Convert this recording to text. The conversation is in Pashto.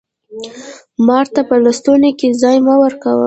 مار ته په لستوڼي کښي ځای مه ورکوه